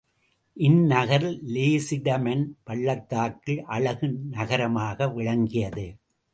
இந்நகர் லேசிடமன் பள்ளத்தாக்கில் அழகு நகரமாக விளங்கியது.